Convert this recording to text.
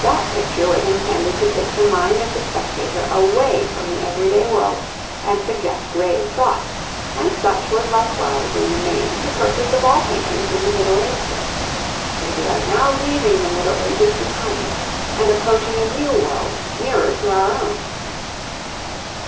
That picture was intended to take the mind of the spectator away from the everyday world and suggest grave thought, and such was likewise in the main the purpose of all paintings in the Middle Ages. But we are now leaving the Middle Ages behind and approaching a new world nearer to our own.